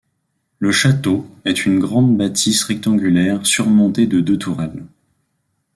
Le château est une grande bâtisse rectangulaire surmontée de deux tourelles.